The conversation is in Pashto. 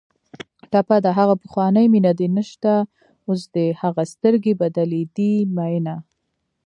ټپه ده: ها پخوانۍ مینه دې نشته اوس دې هغه سترګې بدلې دي مینه